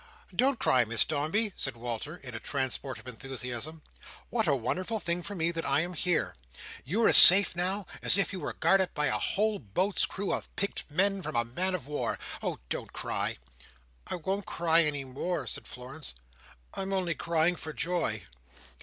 "Don't cry, Miss Dombey," said Walter, in a transport of enthusiasm. "What a wonderful thing for me that I am here! You are as safe now as if you were guarded by a whole boat's crew of picked men from a man of war. Oh, don't cry." "I won't cry any more," said Florence. "I am only crying for joy."